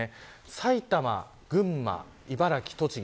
埼玉、群馬、茨城、栃木。